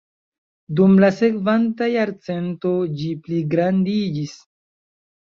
Dum la sekvanta jarcento ĝi pligrandiĝis.